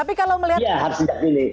iya harus sejak dini